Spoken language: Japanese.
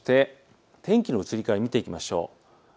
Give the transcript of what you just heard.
天気の移り変わりを見ていきましょう。